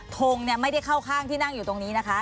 ทงไม่ได้เข้าข้างที่นั่งอยู่ตรงนี้นะคะ